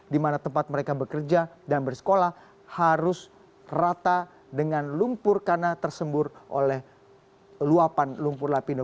di mana tempat mereka bekerja dan bersekolah harus rata dengan lumpur karena tersembur oleh luapan lumpur lapindo